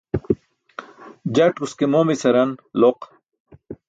Jatkus ke momis haran loq.